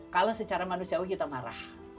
kalau secara manusiawi kita marah